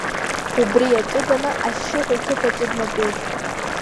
Убри иаҷыданы, ашьшьыҳәа иҭыԥ аҿы днатәеит.